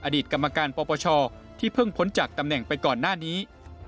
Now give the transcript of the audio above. อดีตกรรมการปปชที่เพิ่งพ้นจากตำแหน่งไปก่อนหน้านี้